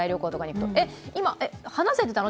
えっ、話せてたの？